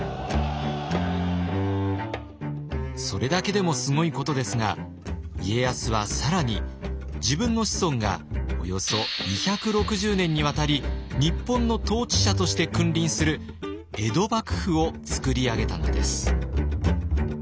それだけでもすごいことですが家康は更に自分の子孫がおよそ２６０年にわたり日本の統治者として君臨する江戸幕府を作り上げたのです。